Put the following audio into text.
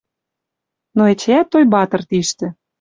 Но эчеӓт Тойбатр тиштӹ